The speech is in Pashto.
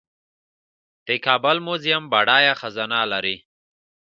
د کابل میوزیم بډایه خزانه لري